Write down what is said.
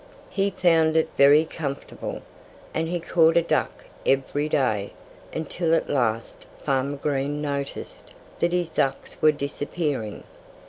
He found it very comfortable. And he caught a duck every day, until at last Farmer Green noticed that his ducks were disappearing.